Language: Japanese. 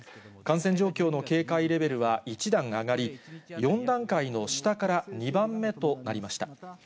感染状況の警戒レベルは１段上がり、４段階の下から２番目となりました。